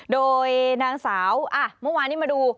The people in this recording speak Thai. โดยนางสาวเมื่อวานนี้มาดู